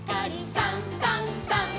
「さんさんさん」